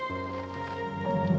aku mau kemana